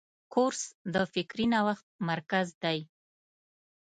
کورس د فکري نوښت مرکز دی.